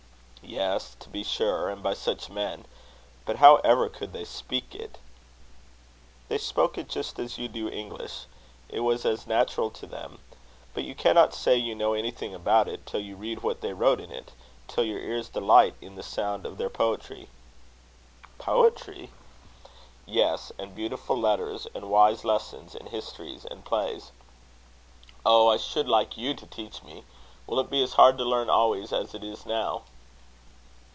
"Yes, to be sure and by such men. But how ever could they speak it?" "They spoke it just as you do English. It was as natural to them. But you cannot say you know anything about it, till you read what they wrote in it; till your ears delight in the sound of their poetry; " "Poetry?" "Yes; and beautiful letters; and wise lessons; and histories and plays." "Oh! I should like you to teach me. Will it be as hard to learn always as it is now?"